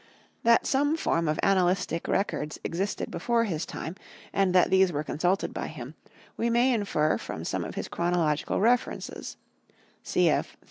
That some form of annalistic records existed before his time, and that these were consulted by him, we may infer from some of his chronological references (cf.